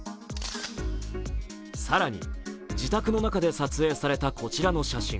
更に自宅の中で撮影されたこちらの写真。